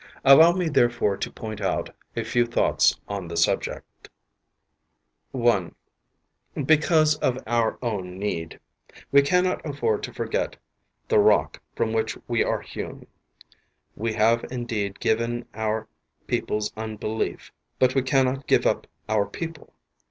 Allow me therefore to point out a few thoughts on the subject, WHY HEBREW CHRISTIANS SHOULD UNITE. * i. Because of our own need. We cannot afford to forgel the rock from which we are hewn. We have indeed given p oui people's unbelief, but we cannot give up our people.